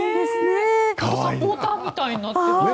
本当にサポーターみたいになっている。